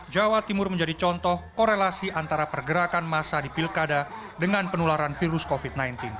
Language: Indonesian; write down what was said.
jawa timur menjadi contoh korelasi antara pergerakan masa di pilkada dengan penularan virus covid sembilan belas